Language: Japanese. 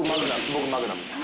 僕マグナムっす。